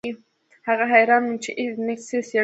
هغه حیران نه و چې ایس میکس تر څیړنې لاندې و